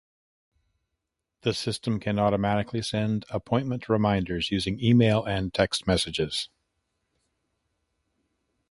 The system can automatically send appointment reminders using email and text message.